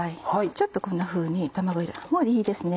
ちょっとこんなふうに卵入れてもういいですね。